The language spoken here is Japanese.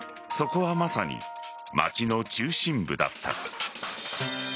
そこはまさに街の中心部だった。